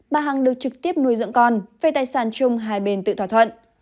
bà hằng được trực tiếp nuôi dưỡng con về tài sản chung hai bên tự thỏa thuận